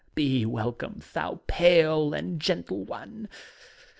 Be welcoine» thou pale and gentle one!